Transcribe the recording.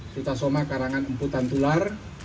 suta soma karangan emputan tular